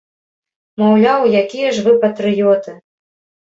Маўляў, якія ж вы патрыёты!